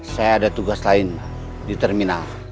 saya ada tugas lain di terminal